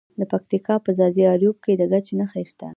د پکتیا په ځاځي اریوب کې د ګچ نښې شته.